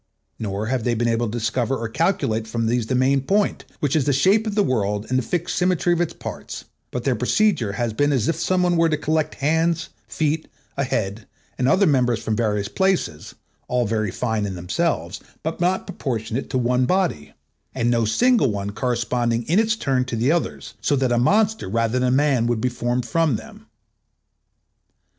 Nor have they been able to discover or calculate from these the main point, which is the shape of the world and the fixed symmetry of its parts; but their procedure has been as if someone were to collect hands, feet, a head, and other members from various places, all very fine in themselves, but not proportionate to one body, and no single one corresponding in its turn to the others, so that a monster rather than a man would be formed from them.